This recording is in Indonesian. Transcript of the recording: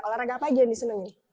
olahraga apa aja yang disenengin